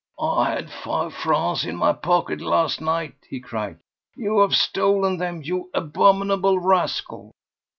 "I had five francs in my pocket last night!" he cried. "You have stolen them, you abominable rascal!"